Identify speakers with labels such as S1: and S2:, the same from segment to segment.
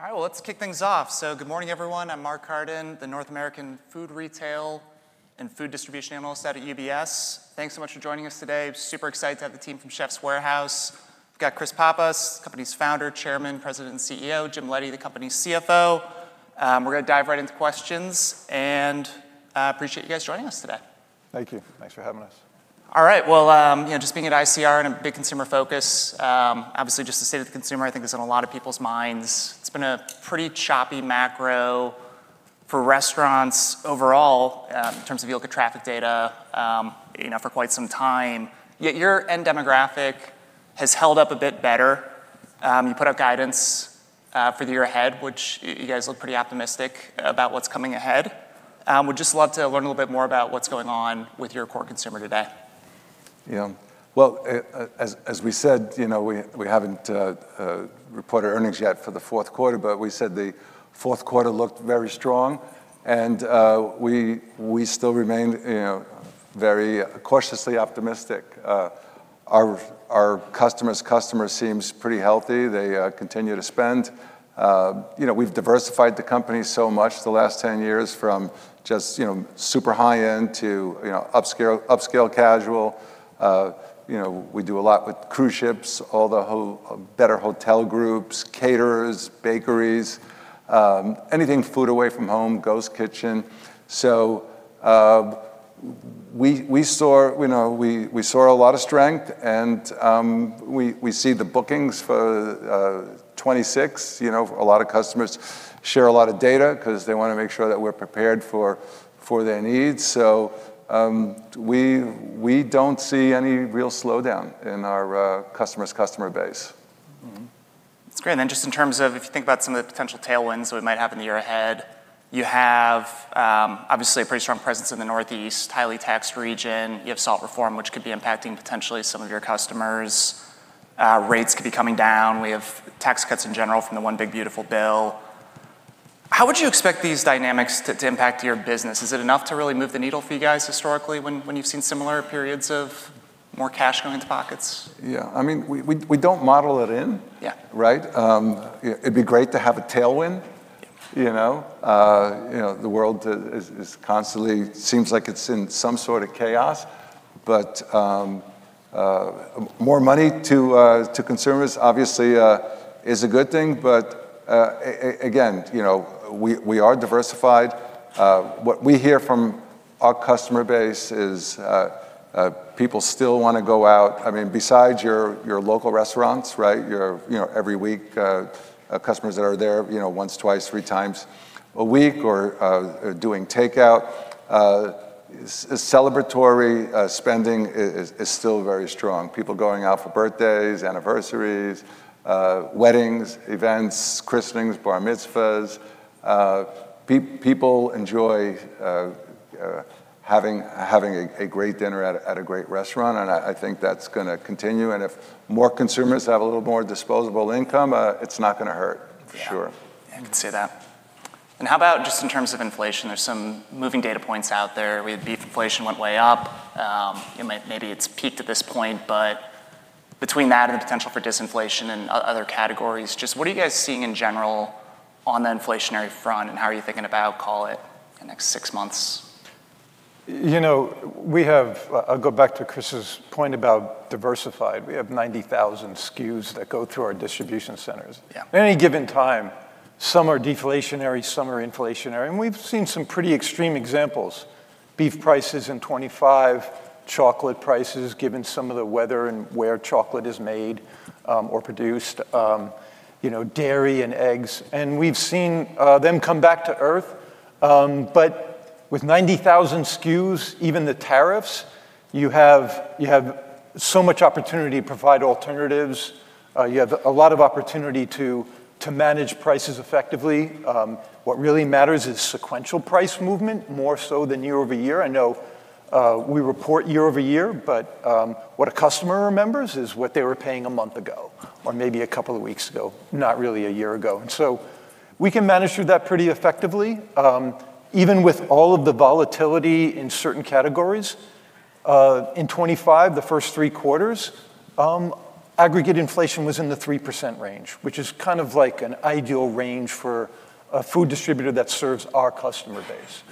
S1: All right, well, let's kick things off. Good morning, everyone. I'm Mark Carden, the North American Food Retail and Food Distribution Analyst out at UBS. Thanks so much for joining us today. Super excited to have the team from Chefs' Warehouse. We've got Chris Pappas, the company's founder, chairman, president, and CEO. Jim Leddy, the company's CFO. We're going to dive right into questions, and I appreciate you guys joining us today.
S2: Thank you. Thanks for having us.
S1: All right, well, you know, just being at ICR and a big consumer focus, obviously just the state of the consumer, I think, is on a lot of people's minds. It's been a pretty choppy macro for restaurants overall in terms of yield to traffic data for quite some time. Yet your end demographic has held up a bit better. You put out guidance for the year ahead, which you guys look pretty optimistic about what's coming ahead. We'd just love to learn a little bit more about what's going on with your core consumer today.
S2: Yeah. Well, as we said, you know, we haven't reported earnings yet for the fourth quarter, but we said the fourth quarter looked very strong. And we still remain very cautiously optimistic. Our customers' customer seems pretty healthy. They continue to spend. You know, we've diversified the company so much the last 10 years from just super high-end to upscale casual. You know, we do a lot with cruise ships, all the better hotel groups, caterers, bakeries, anything food away from home, ghost kitchen. So we saw a lot of strength, and we see the bookings for 2026. You know, a lot of customers share a lot of data because they want to make sure that we're prepared for their needs. So we don't see any real slowdown in our customer's customer base.
S1: That's great. And then just in terms of, if you think about some of the potential tailwinds that we might have in the year ahead, you have obviously a pretty strong presence in the Northeast, highly taxed region. You have SALT reform, which could be impacting potentially some of your customers. Rates could be coming down. We have tax cuts in general from the One Big Beautiful Bill. How would you expect these dynamics to impact your business? Is it enough to really move the needle for you guys historically when you've seen similar periods of more cash going into pockets?
S2: Yeah. I mean, we don't model it in, right? It'd be great to have a tailwind. You know, the world seems like it's in some sort of chaos, but more money to consumers, obviously, is a good thing, but again, you know, we are diversified. What we hear from our customer base is people still want to go out. I mean, besides your local restaurants, right, your every week customers that are there once, twice, three times a week or doing takeout, celebratory spending is still very strong. People going out for birthdays, anniversaries, weddings, events, christenings, bar mitzvahs. People enjoy having a great dinner at a great restaurant, and I think that's going to continue, and if more consumers have a little more disposable income, it's not going to hurt, for sure.
S1: Yeah, I could see that. And how about just in terms of inflation? There's some moving data points out there. Beef inflation went way up. Maybe it's peaked at this point, but between that and the potential for disinflation and other categories, just what are you guys seeing in general on the inflationary front, and how are you thinking about, call it, the next six months?
S3: You know, we have. I'll go back to Chris's point about diversified. We have 90,000 SKUs that go through our distribution centers. At any given time, some are deflationary, some are inflationary, and we've seen some pretty extreme examples, beef prices in 2025, chocolate prices given some of the weather and where chocolate is made or produced, dairy and eggs, and we've seen them come back to earth, but with 90,000 SKUs, even the tariffs, you have so much opportunity to provide alternatives. You have a lot of opportunity to manage prices effectively. What really matters is sequential price movement, more so than year over year. I know we report year over year, but what a customer remembers is what they were paying a month ago or maybe a couple of weeks ago, not really a year ago. And so we can manage through that pretty effectively, even with all of the volatility in certain categories. In 2025, the first three quarters, aggregate inflation was in the 3% range, which is kind of like an ideal range for a food distributor that serves our customer base.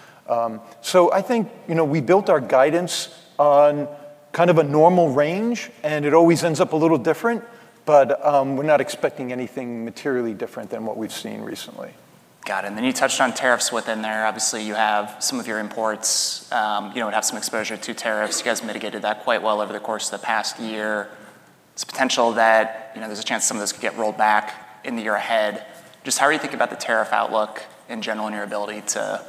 S3: So I think, you know, we built our guidance on kind of a normal range, and it always ends up a little different, but we're not expecting anything materially different than what we've seen recently.
S1: Got it. And then you touched on tariffs within there. Obviously, you have some of your imports, you know, would have some exposure to tariffs. You guys mitigated that quite well over the course of the past year. It's possible that, you know, there's a chance some of those could get rolled back in the year ahead. Just how are you thinking about the tariff outlook in general and your ability to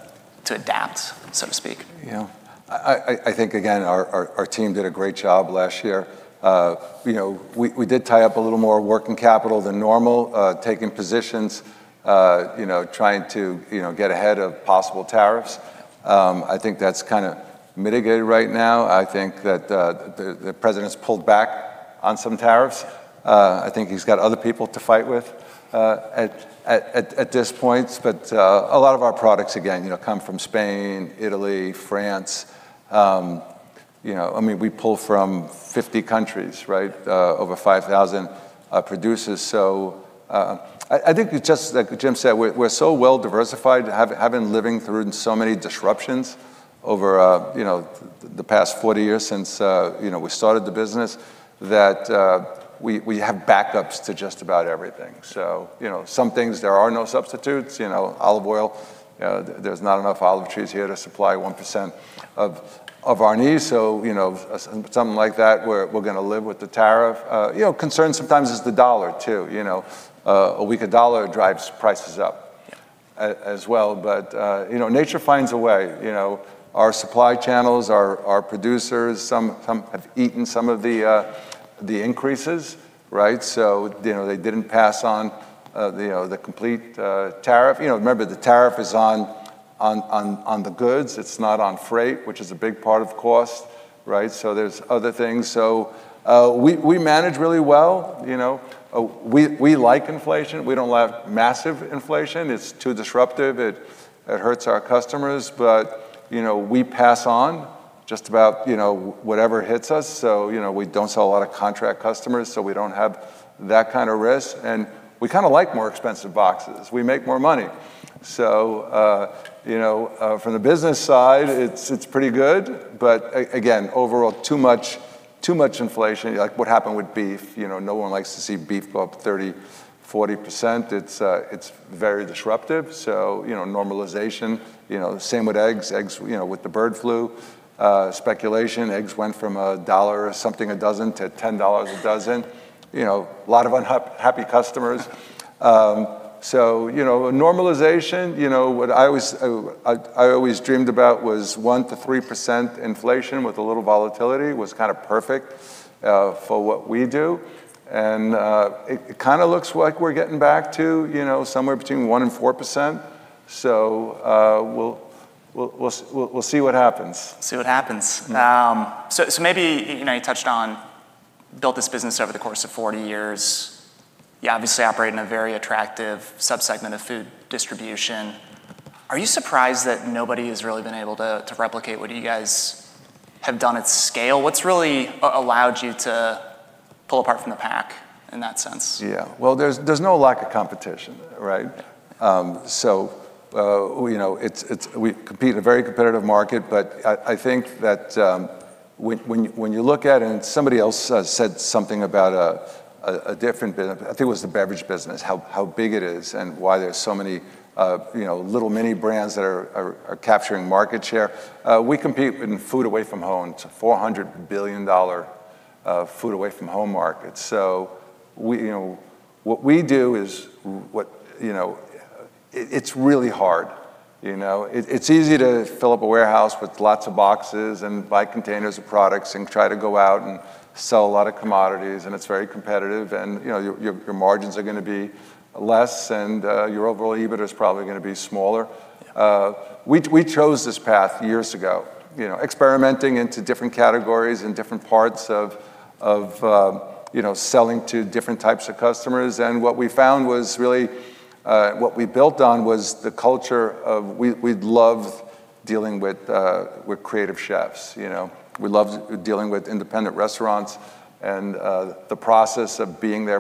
S1: adapt, so to speak?
S2: Yeah. I think, again, our team did a great job last year. You know, we did tie up a little more working capital than normal, taking positions, you know, trying to get ahead of possible tariffs. I think that's kind of mitigated right now. I think that the president's pulled back on some tariffs. I think he's got other people to fight with at this point. But a lot of our products, again, you know, come from Spain, Italy, France. You know, I mean, we pull from 50 countries, right, over 5,000 producers. So I think it's just like Jim said, we're so well diversified, having lived through so many disruptions over, you know, the past 40 years since, you know, we started the business, that we have backups to just about everything. So, you know, some things there are no substitutes. You know, olive oil, there's not enough olive trees here to supply 1% of our needs. So, you know, something like that, we're going to live with the tariff. You know, concern sometimes is the dollar, too. You know, a weaker dollar drives prices up as well. But, you know, nature finds a way. You know, our supply channels, our producers, some have eaten some of the increases, right? So, you know, they didn't pass on the complete tariff. You know, remember, the tariff is on the goods. It's not on freight, which is a big part of cost, right? So there's other things. So we manage really well. You know, we like inflation. We don't like massive inflation. It's too disruptive. It hurts our customers. But, you know, we pass on just about, you know, whatever hits us. So, you know, we don't sell a lot of contract customers, so we don't have that kind of risk. And we kind of like more expensive boxes. We make more money. So, you know, from the business side, it's pretty good. But again, overall, too much inflation. Like what happened with beef, you know, no one likes to see beef up 30%-40%. It's very disruptive. So, you know, normalization, you know, same with eggs. Eggs, you know, with the bird flu. Speculation, eggs went from $1 or something a dozen to $10 a dozen. You know, a lot of unhappy customers. So, you know, normalization, you know, what I always dreamed about was 1%-3% inflation with a little volatility was kind of perfect for what we do. And it kind of looks like we're getting back to, you know, somewhere between 1% and 4%. We'll see what happens.
S1: See what happens. So maybe, you know, you touched on, built this business over the course of 40 years. You obviously operate in a very attractive subsegment of food distribution. Are you surprised that nobody has really been able to replicate what you guys have done at scale? What's really allowed you to pull apart from the pack in that sense?
S2: Yeah. Well, there's no lack of competition, right? So, you know, we compete in a very competitive market, but I think that when you look at it and somebody else said something about a different business. I think it was the beverage business, how big it is and why there's so many, you know, little mini brands that are capturing market share. We compete in food away from home. It's a $400 billion food away from home market. So, you know, what we do is, you know, it's really hard. You know, it's easy to fill up a warehouse with lots of boxes and buy containers of products and try to go out and sell a lot of commodities, and it's very competitive, and, you know, your margins are going to be less and your overall EBITDA is probably going to be smaller. We chose this path years ago, you know, experimenting into different categories and different parts of, you know, selling to different types of customers. And what we found was really what we built on was the culture of we loved dealing with creative chefs. You know, we loved dealing with independent restaurants and the process of being their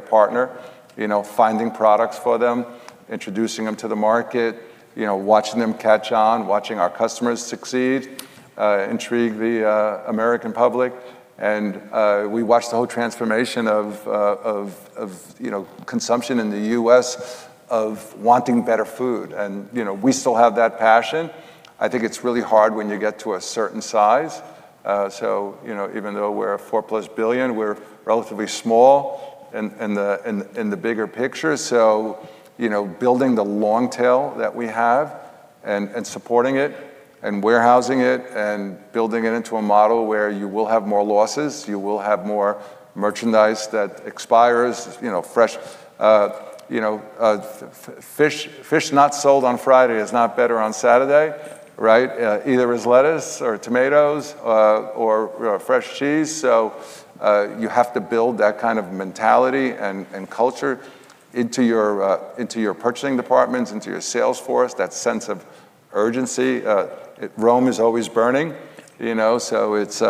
S2: partner, you know, finding products for them, introducing them to the market, you know, watching them catch on, watching our customers succeed, intrigue the American public. And we watched the whole transformation of, you know, consumption in the U.S. of wanting better food. And, you know, we still have that passion. I think it's really hard when you get to a certain size. So, you know, even though we're a $4+ billion, we're relatively small in the bigger picture. So, you know, building the long tail that we have and supporting it and warehousing it and building it into a model where you will have more losses, you will have more merchandise that expires, you know, fresh, you know, fish not sold on Friday is not better on Saturday, right? Either as lettuce or tomatoes or fresh cheese. So you have to build that kind of mentality and culture into your purchasing departments, into your sales force, that sense of urgency. Rome is always burning, you know. So it's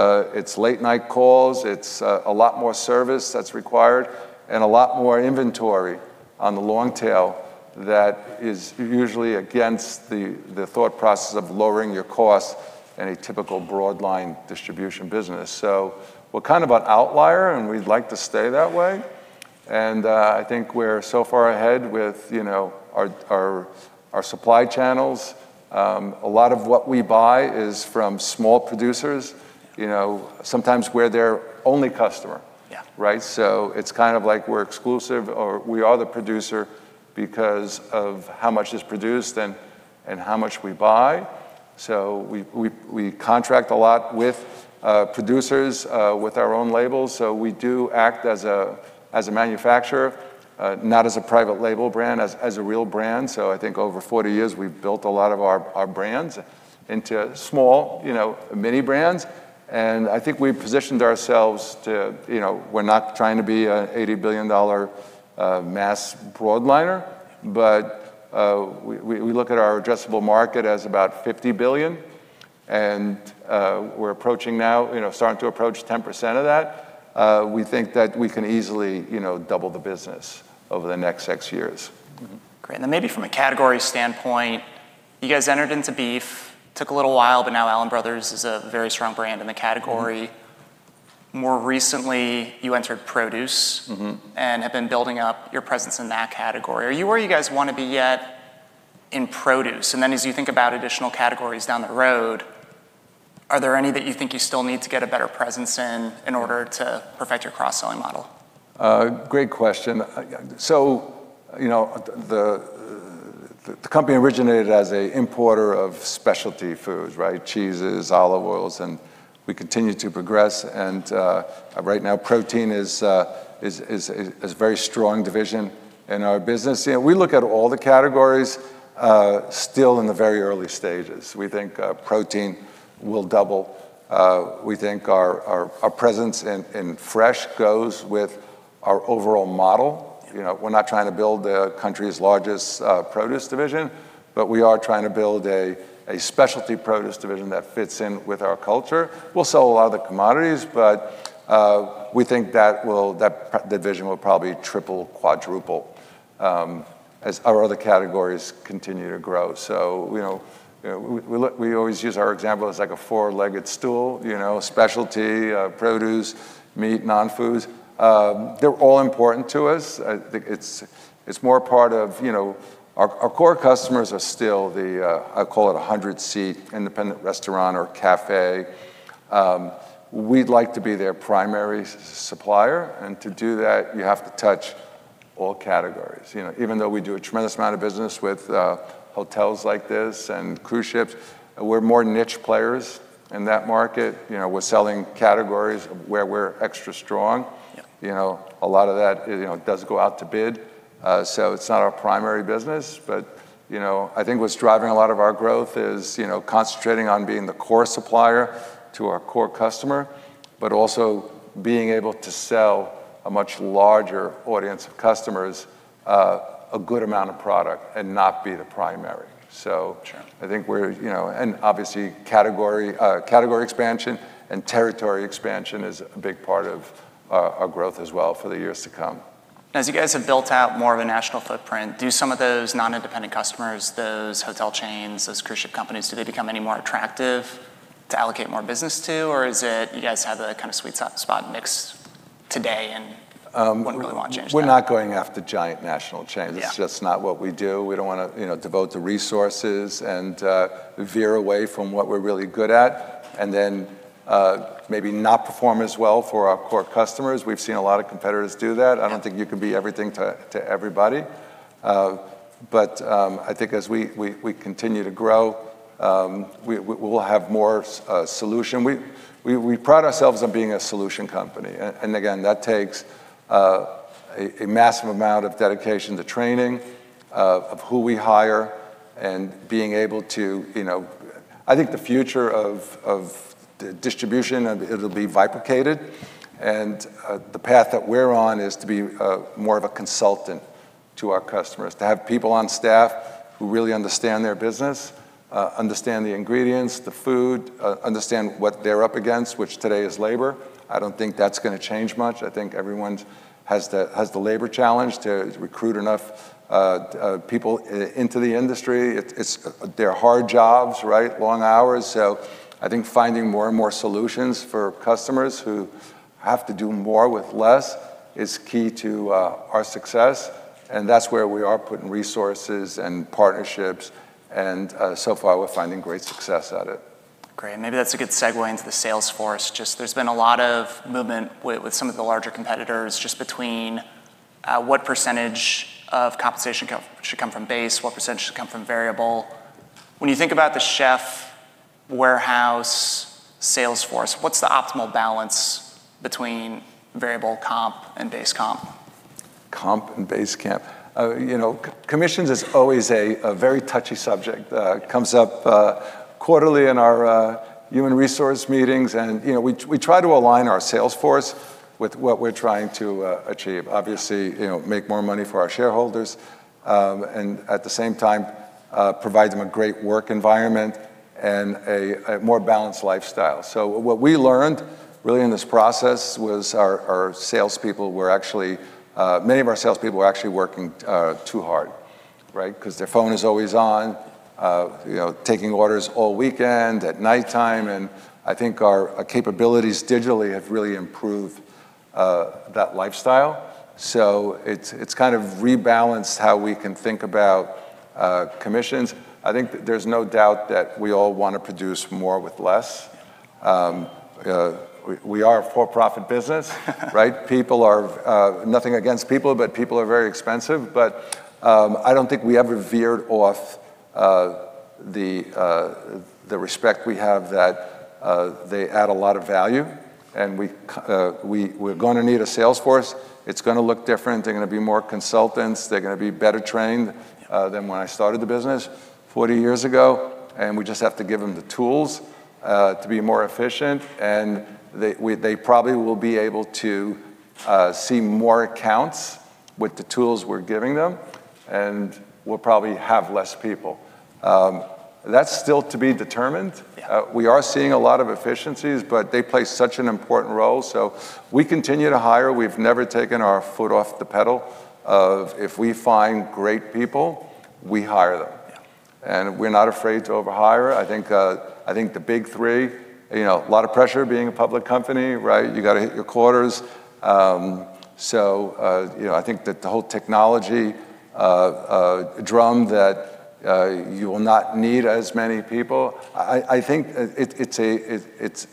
S2: late-night calls. It's a lot more service that's required and a lot more inventory on the long tail that is usually against the thought process of lowering your costs in a typical broadline distribution business. So we're kind of an outlier, and we'd like to stay that way. I think we're so far ahead with, you know, our supply channels. A lot of what we buy is from small producers, you know, sometimes we're their only customer, right? So it's kind of like we're exclusive or we are the producer because of how much is produced and how much we buy. So we contract a lot with producers with our own labels. So we do act as a manufacturer, not as a private label brand, as a real brand. So I think over 40 years, we've built a lot of our brands into small, you know, mini brands. And I think we've positioned ourselves to, you know, we're not trying to be an $80 billion mass broadliner, but we look at our addressable market as about $50 billion. And we're approaching now, you know, starting to approach 10% of that. We think that we can easily, you know, double the business over the next six years.
S1: Great. And then maybe from a category standpoint, you guys entered into beef, took a little while, but now Allen Brothers is a very strong brand in the category. More recently, you entered produce and have been building up your presence in that category. Are you where you guys want to be yet in produce? And then as you think about additional categories down the road, are there any that you think you still need to get a better presence in in order to perfect your cross-selling model?
S2: Great question. So, you know, the company originated as an importer of specialty foods, right? Cheeses, olive oils, and we continue to progress, and right now, protein is a very strong division in our business. You know, we look at all the categories still in the very early stages. We think protein will double. We think our presence in fresh goes with our overall model. You know, we're not trying to build the country's largest produce division, but we are trying to build a specialty produce division that fits in with our culture. We'll sell a lot of the commodities, but we think that division will probably triple, quadruple as our other categories continue to grow, so you know, we always use our example as like a four-legged stool, you know, specialty, produce, meat, non-foods. They're all important to us. It's more part of, you know, our core customers are still the, I call it, a 100-seat independent restaurant or cafe. We'd like to be their primary supplier, and to do that, you have to touch all categories. You know, even though we do a tremendous amount of business with hotels like this and cruise ships, we're more niche players in that market. You know, we're selling categories where we're extra strong. You know, a lot of that, you know, does go out to bid, so it's not our primary business, but you know I think what's driving a lot of our growth is, you know, concentrating on being the core supplier to our core customer, but also being able to sell a much larger audience of customers a good amount of product and not be the primary. I think we're, you know, and obviously category expansion and territory expansion is a big part of our growth as well for the years to come.
S1: As you guys have built out more of a national footprint, do some of those non-independent customers, those hotel chains, those cruise ship companies, do they become any more attractive to allocate more business to? Or is it you guys have a kind of sweet spot mix today and wouldn't really want to change that?
S2: We're not going after giant national chains. It's just not what we do. We don't want to, you know, devote the resources and veer away from what we're really good at and then maybe not perform as well for our core customers. We've seen a lot of competitors do that. I don't think you can be everything to everybody. But I think as we continue to grow, we'll have more solution. We pride ourselves on being a solution company. And again, that takes a massive amount of dedication to training of who we hire and being able to, you know, I think the future of distribution, it'll be bifurcated. And the path that we're on is to be more of a consultant to our customers, to have people on staff who really understand their business, understand the ingredients, the food, understand what they're up against, which today is labor. I don't think that's going to change much. I think everyone has the labor challenge to recruit enough people into the industry. They're hard jobs, right? Long hours. So I think finding more and more solutions for customers who have to do more with less is key to our success. And that's where we are putting resources and partnerships. And so far, we're finding great success at it.
S1: Great. Maybe that's a good segue into the sales force. Just there's been a lot of movement with some of the larger competitors just between what percentage of compensation should come from base, what percentage should come from variable. When you think about the Chefs' Warehouse sales force, what's the optimal balance between variable comp and base comp?
S2: Comp and base comp. You know, commissions is always a very touchy subject. Comes up quarterly in our human resource meetings, and you know, we try to align our sales force with what we're trying to achieve. Obviously, you know, make more money for our shareholders and at the same time provide them a great work environment and a more balanced lifestyle, so what we learned really in this process was our salespeople were actually, many of our salespeople were actually working too hard, right? Because their phone is always on, you know, taking orders all weekend, at nighttime, and I think our capabilities digitally have really improved that lifestyle, so it's kind of rebalanced how we can think about commissions. I think there's no doubt that we all want to produce more with less. We are a for-profit business, right? People are nothing against people, but people are very expensive, but I don't think we ever veered off the respect we have that they add a lot of value, and we're going to need a sales force. It's going to look different. They're going to be more consultants. They're going to be better trained than when I started the business 40 years ago, and we just have to give them the tools to be more efficient, and they probably will be able to see more accounts with the tools we're giving them, and we'll probably have less people. That's still to be determined. We are seeing a lot of efficiencies, but they play such an important role, so we continue to hire. We've never taken our foot off the pedal. If we find great people, we hire them, and we're not afraid to overhire. I think the big three, you know, a lot of pressure being a public company, right? You got to hit your quarters. So, you know, I think that the whole technology drum that you will not need as many people. I think it's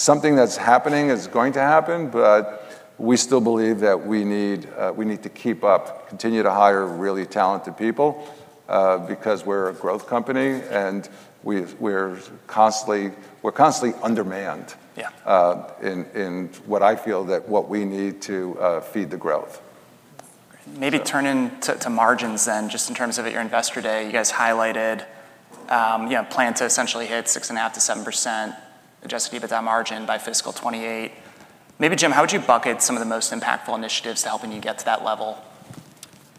S2: something that's happening, is going to happen, but we still believe that we need to keep up, continue to hire really talented people because we're a growth company and we're constantly undermanned in what I feel that what we need to feed the growth.
S1: Maybe turn to margins then, just in terms of your Investor Day. You guys highlighted, you know, plan to essentially hit 6.5%-7% Adjusted EBITDA margin by fiscal 2028. Maybe Jim, how would you bucket some of the most impactful initiatives to helping you get to that level?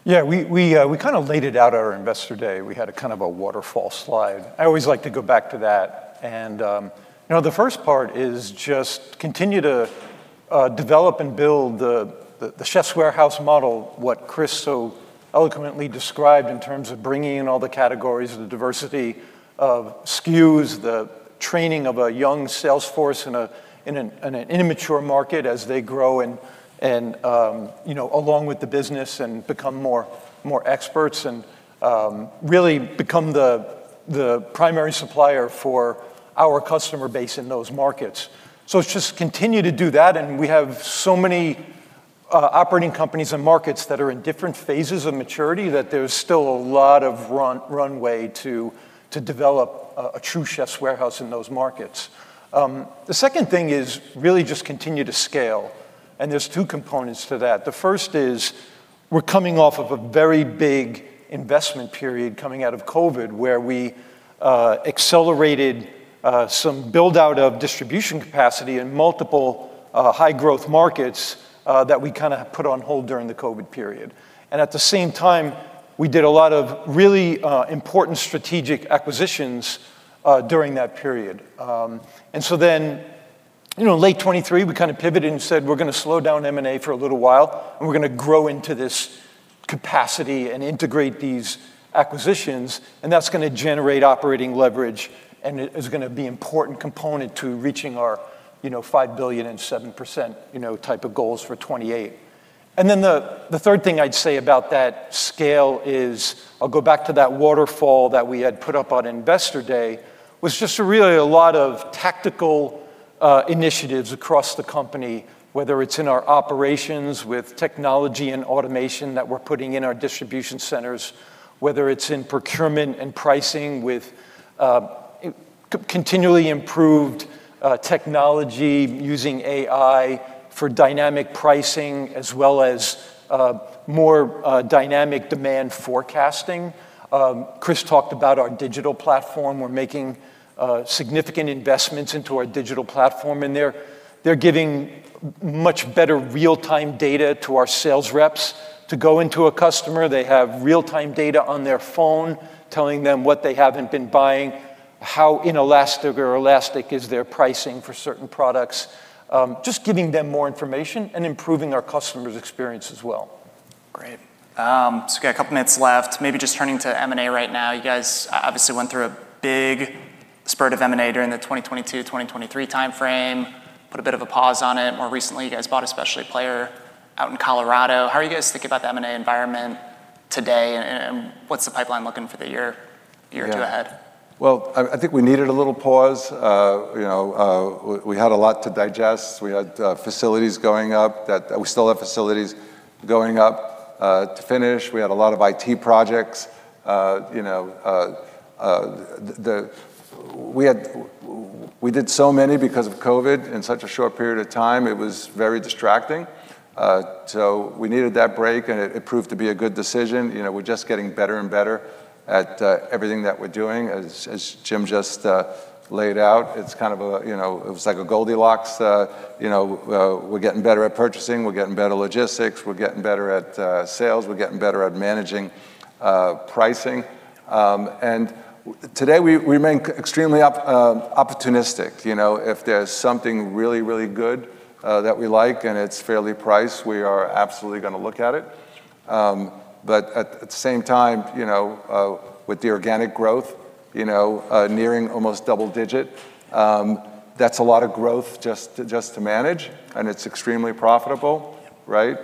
S3: Yeah, we kind of laid it out at our Investor Day. We had a kind of a waterfall slide. I always like to go back to that. And, you know, the first part is just continue to develop and build the Chefs' Warehouse model, what Chris so eloquently described in terms of bringing in all the categories of the diversity of SKUs, the training of a young sales force in an immature market as they grow and, you know, along with the business and become more experts and really become the primary supplier for our customer base in those markets. So it's just continue to do that. And we have so many operating companies and markets that are in different phases of maturity that there's still a lot of runway to develop a true Chefs' Warehouse in those markets. The second thing is really just continue to scale. There's two components to that. The first is we're coming off of a very big investment period coming out of COVID where we accelerated some buildout of distribution capacity in multiple high-growth markets that we kind of put on hold during the COVID period. And at the same time, we did a lot of really important strategic acquisitions during that period. So then, you know, in late 2023, we kind of pivoted and said, we're going to slow down M&A for a little while and we're going to grow into this capacity and integrate these acquisitions. And that's going to generate operating leverage and is going to be an important component to reaching our, you know, $5 billion and 7%, you know, type of goals for 2028. And then the third thing I'd say about that scale is. I'll go back to that waterfall that we had put up on Investor Day. Was just really a lot of tactical initiatives across the company, whether it's in our operations with technology and automation that we're putting in our distribution centers, whether it's in procurement and pricing with continually improved technology using AI for dynamic pricing as well as more dynamic demand forecasting. Chris talked about our digital platform. We're making significant investments into our digital platform. And they're giving much better real-time data to our sales reps to go into a customer. They have real-time data on their phone telling them what they haven't been buying, how inelastic or elastic is their pricing for certain products, just giving them more information and improving our customer's experience as well.
S1: Great. So we've got a couple of minutes left. Maybe just turning to M&A right now. You guys obviously went through a big spurt of M&A during the 2022, 2023 timeframe, put a bit of a pause on it. More recently, you guys bought a specialty player out in Colorado. How are you guys thinking about the M&A environment today and what's the pipeline looking for the year or two ahead?
S2: Well, I think we needed a little pause. You know, we had a lot to digest. We had facilities going up that we still have facilities going up to finish. We had a lot of IT projects. You know, we did so many because of COVID in such a short period of time. It was very distracting. So we needed that break and it proved to be a good decision. You know, we're just getting better and better at everything that we're doing. As Jim just laid out, it's kind of a, you know, it was like a Goldilocks. You know, we're getting better at purchasing. We're getting better logistics. We're getting better at sales. We're getting better at managing pricing. And today we remain extremely opportunistic. You know, if there's something really, really good that we like and it's fairly priced, we are absolutely going to look at it. But at the same time, you know, with the organic growth, you know, nearing almost double digit, that's a lot of growth just to manage. And it's extremely profitable, right?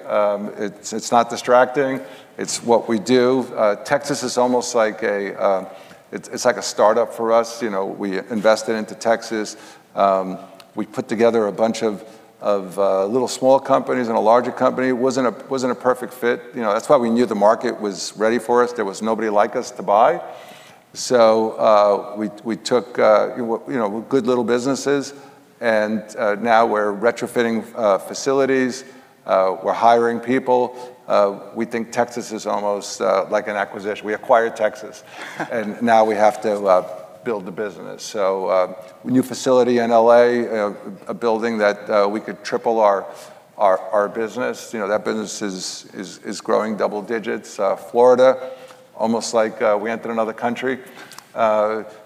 S2: It's not distracting. It's what we do. Texas is almost like a, it's like a startup for us. You know, we invested into Texas. We put together a bunch of little small companies and a larger company. It wasn't a perfect fit. You know, that's why we knew the market was ready for us. There was nobody like us to buy. So we took good little businesses and now we're retrofitting facilities. We're hiring people. We think Texas is almost like an acquisition. We acquired Texas. And now we have to build the business. So a new facility in LA, a building that we could triple our business. You know, that business is growing double digits. Florida, almost like we entered another country.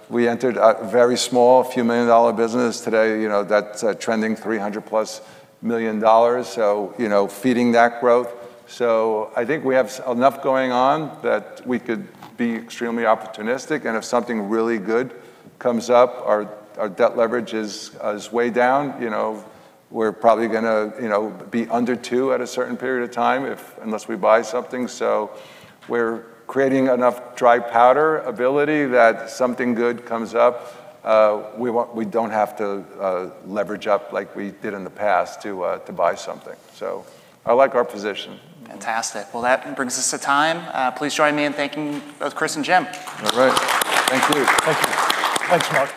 S2: We entered a very small, a few million-dollar business. Today, you know, that's trending $300+ million. So, you know, feeding that growth, so I think we have enough going on that we could be extremely opportunistic, and if something really good comes up, our debt leverage is way down. You know, we're probably going to, you know, be under two at a certain period of time unless we buy something, so we're creating enough dry powder ability that something good comes up. We don't have to leverage up like we did in the past to buy something, so I like our position.
S1: Fantastic. Well, that brings us to time. Please join me in thanking Chris and Jim.
S2: All right. Thank you.
S1: Thanks much.